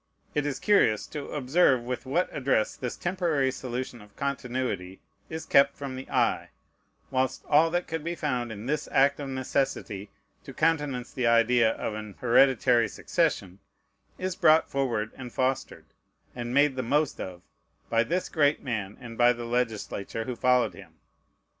It is curious to observe with what address this temporary solution of continuity is kept from the eye; whilst all that could be found in this act of necessity to countenance the idea of an hereditary succession is brought forward, and fostered, and made the most of, by this great man, and by the legislature who followed him.